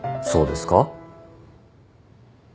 そうですか？